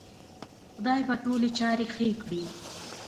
خدای به ټولې چارې ښې کړې